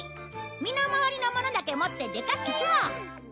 身の回りのものだけ持って出かけよう！